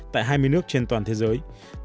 tại hai mươi nước trên toàn thế giới